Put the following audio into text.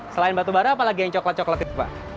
selain batu bara apalagi yang coklat coklat